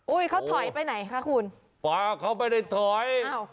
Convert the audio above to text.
อุ้ยเขาถอยไปไหนค่ะคุณปล่าเขาไปในถอยอ้าว